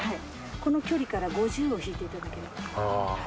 この距離から５０を引いていただければ。